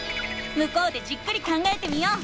向こうでじっくり考えてみよう。